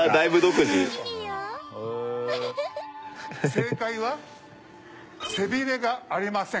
正解は背ビレがありません。